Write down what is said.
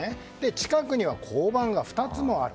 近くには交番が２つもある。